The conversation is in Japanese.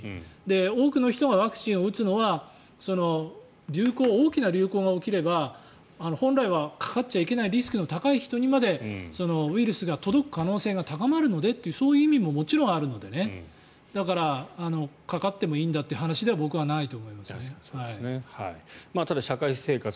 多くの人がワクチンを打つのは大きな流行が起きれば本来は、かかっちゃいけないリスクの高い人にまでウイルスが届く可能性が高まるのでというそういう意味ももちろんあるのでだから、かかってもいいんだという話では僕はないと思います。